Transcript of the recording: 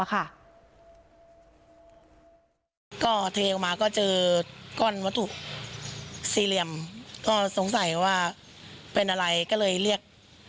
ก็เทออกมาก็เจอก้อนวัตถุสี่เหลี่ยมก็สงสัยว่าเป็นอะไรก็เลยเรียก